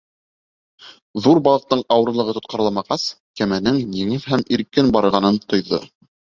Ҙур балыҡтың ауырлығы тотҡарламағас, кәмәнең еңел һәм иркен барғанын тойҙо.